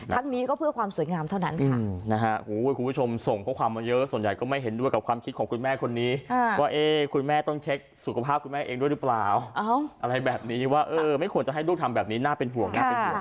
ครั้งนี้ก็เพื่อความสวยงามเท่านั้นค่ะอืมนะฮะคุณผู้ผู้ชมส่ง